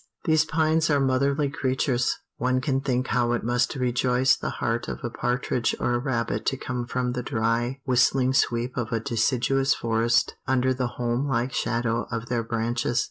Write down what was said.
These pines are motherly creatures. One can think how it must rejoice the heart of a partridge or a rabbit to come from the dry, whistling sweep of a deciduous forest under the home like shadow of their branches.